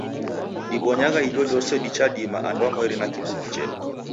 Dibonyagha ijojose dichadima anduamweri na kibughi chedu.